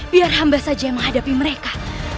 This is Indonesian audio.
biar hamba saja yang menghadapi mereka